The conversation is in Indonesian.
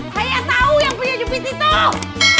saya tahu yang punya jepit itu